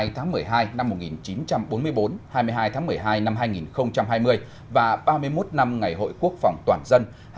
hai mươi hai tháng một mươi hai năm một nghìn chín trăm bốn mươi bốn hai mươi hai tháng một mươi hai năm hai nghìn hai mươi và ba mươi một năm ngày hội quốc phòng toàn dân